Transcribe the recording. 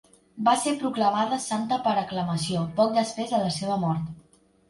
Va ser proclamada santa per aclamació, poc després de la seva mort.